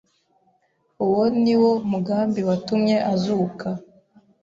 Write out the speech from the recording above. Uwo ni wo mugambi watumye azuka.